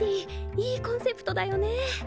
いいコンセプトだよね。